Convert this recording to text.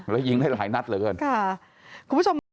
นั่นแหละสิค่ะค่ะคุณผู้ชม